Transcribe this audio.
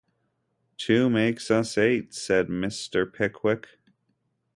‘Two makes us eight,’ said Mr. Pickwick.